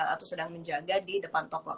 atau sedang menjaga di depan tni ya teteh